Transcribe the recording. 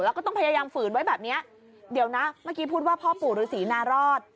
แล้วก็ต้องพยายามฝืนไว้แบบเนี้ยเดี๋ยวนะเมื่อกี้พูดว่าพ่อปู่ฤษีนารอด